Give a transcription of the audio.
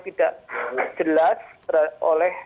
tidak jelas oleh